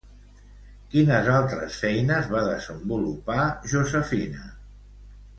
Quines altres feines va desenvolupar Josefina?